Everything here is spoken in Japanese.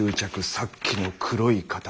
さっきの黒い塊。